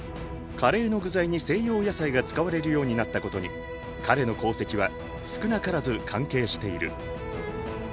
カレーの具材に西洋野菜が使われるようになったことに彼の功績は少なからず関係している。